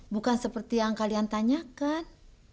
bukan seperti yang kalian tanyakan